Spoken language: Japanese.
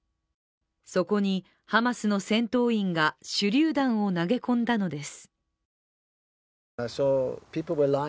そこにハマスの戦闘員が手りゅう弾を投げ込んだのです。